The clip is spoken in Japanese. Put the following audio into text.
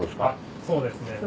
あっそうですね。